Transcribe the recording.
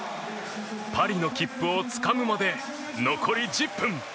パリの切符をつかむまで残り１０分。